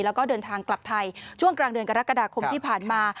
แล้วก็เดินทางกลับไทยช่วงกลางเดือนกรกฎาคมที่ผ่านมา